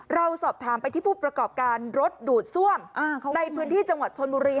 เราสอบถามไปที่ผู้ประกอบการรถดูดซ่วมในพื้นที่จังหวัดชนบุรี